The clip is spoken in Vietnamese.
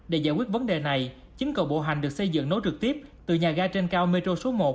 để giải quyết vấn đề này chín cầu bộ hành được xây dựng nối trực tiếp từ nhà ga trên cao metro số một